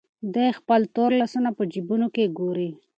دی خپل تور لاسونه په جېبونو کې ګوري.